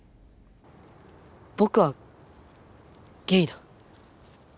僕はゲイだ。